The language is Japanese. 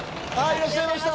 いらっしゃいました